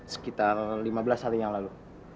sekitar lima belas hari yang lalu